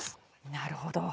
なるほど。